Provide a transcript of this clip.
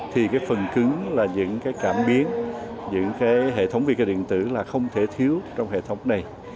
thì phần cứng là những cảm biến những hệ thống vi kê điện tử là không thể thiếu trong hệ thống này